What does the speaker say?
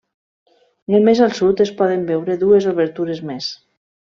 Només al sud es poden veure dues obertures més.